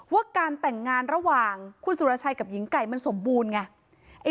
ว่าการแต่งงานระหว่างคุณสุรชัยกับหญิงไก่มันสมบูรณ์ไง